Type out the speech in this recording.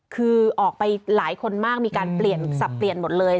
คือออกไปหลายคนมากมีการเปลี่ยนสับเปลี่ยนหมดเลย